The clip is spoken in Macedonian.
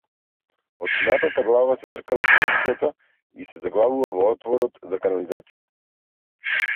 Откинатата глава се тркала по улицата и се заглавува во отворот за канализација.